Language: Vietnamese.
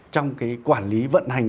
trong cái quản lý vận hành